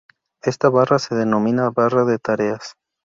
Esta barra se denomina "barra de tareas".